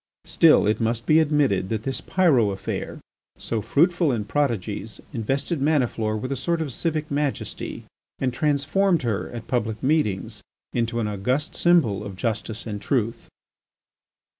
Still, it must be admitted that this Pyrot affair, so fruitful in prodigies, invested Maniflore with a sort of civic majesty, and transformed her, at public meetings, into an august symbol of justice and truth.